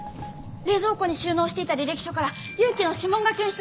冷蔵庫に収納していた履歴書から祐樹の指紋が検出されました。